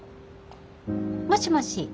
もしもし？